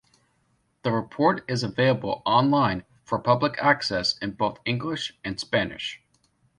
The report is available online for public access in both English and Spanish.